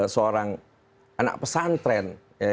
seorang anak pesantren